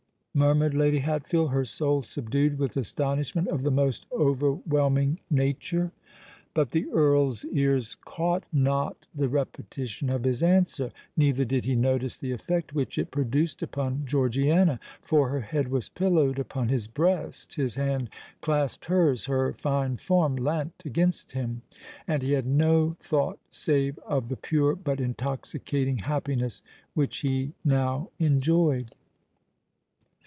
murmured Lady Hatfield, her soul subdued with astonishment of the most overwhelming nature. But the Earl's ears caught not the repetition of his answer; neither did he notice the effect which it produced upon Georgiana;—for her head was pillowed upon his breast—his hand clasped hers—her fine form leant against him—and he had no thought save of the pure but intoxicating happiness which he now enjoyed.